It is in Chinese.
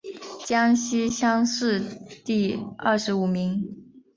江西乡试第二十五名。